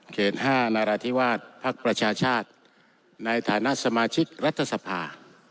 ๕นาราธิวาสภักดิ์ประชาชาติในฐานะสมาชิกรัฐสภา